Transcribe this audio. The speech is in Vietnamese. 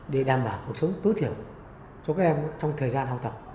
để đảm bảo một số tối thiểu cho các em trong thời gian học tập